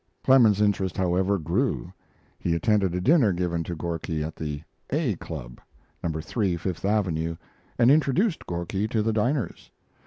Clemens's interest, however, grew. He attended a dinner given to Gorky at the "A Club," No. 3 Fifth Avenue, and introduced Gorky to the diners.